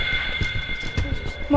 boleh minta tolongnya sekarang ya